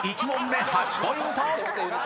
１問目８ポイント！］